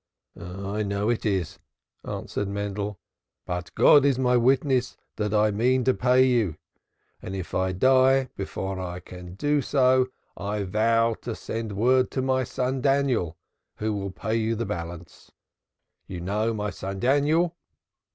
"I know it is!" answered Mendel, "but God is my witness that I mean to pay you. And if I die before I can do so I vow to send word to my son Daniel, who will pay you the balance. You know my son Daniel.